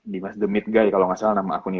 di the meat guy kalo gak salah nama aku ini